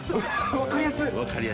分かりやすい。